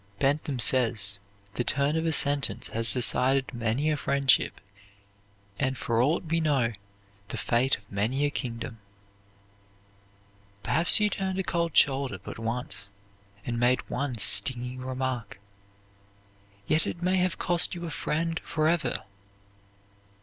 Bentham says, "The turn of a sentence has decided many a friendship, and, for aught we know, the fate of many a kingdom." Perhaps you turned a cold shoulder but once, and made but one stinging remark, yet it may have cost you a friend forever.